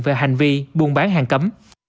về hành vi buôn bán hàng cấm